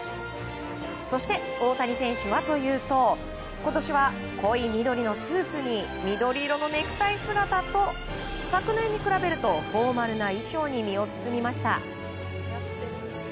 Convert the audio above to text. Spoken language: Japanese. そして大谷選手はというと今年は、濃い緑のスーツに緑色のネクタイ姿と昨年に比べるとフォーマルな衣装に身を包みました。